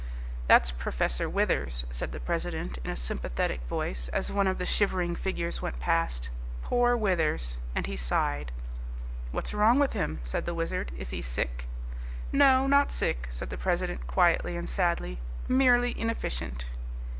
"That's Professor Withers," said the president in a sympathetic voice as one of the shivering figures went past; "poor Withers," and he sighed. "What's wrong with him?" said the Wizard; "is he sick?" "No, not sick," said the president quietly and sadly, "merely inefficient."